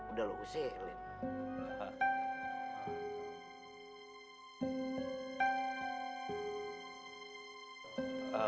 udah lu usik